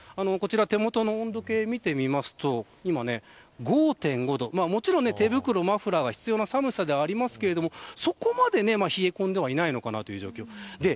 手元の温度計を見てみますと今５．５度で、もちろん手袋やマフラーが必要な寒さですがそこまで冷え込んではいないのかなという状況です。